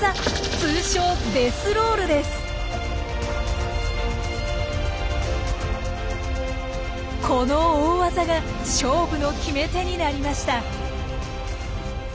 通称この大技が勝負の決め手になりました。